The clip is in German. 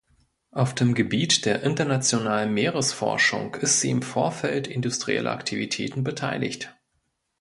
Auf dem Gebiet der internationalen Meeresforschung ist sie im Vorfeld industrieller Aktivitäten beteiligt.